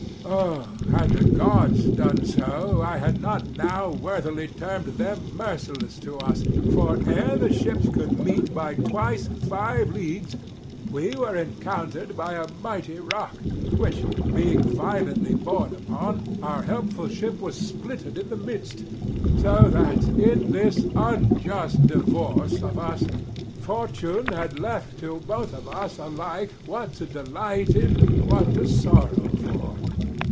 Æge. O, had the gods done so, I had not now Worthily term'd them merciless to us! 100 For, ere the ships could meet by twice five leagues, We were encounter'd by a mighty rock; Which being violently borne upon, Our helpful ship was splitted in the midst; So that, in this unjust divorce of us, 105 Fortune had left to both of us alike What to delight in, what to sorrow for.